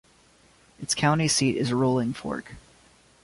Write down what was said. Its county seat is Rolling Fork.